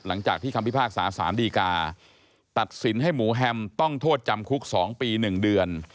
หลังจากที่คำพิพากษาสารดีกาตัดสินให้หมูแฮมต้องโทษจำคุก๒ปี๑เดือน